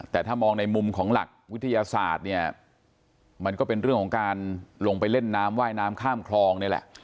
แต่ถ้ามองในมุมของหลักวิทยาศาสตร์เนี่ยมันก็เป็นเรื่องของการลงไปเล่นน้ำว่ายน้ำข้ามคลองนี่แหละ